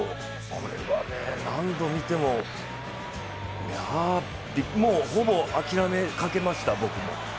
これは何度見てもほぼ諦めかけました、僕も。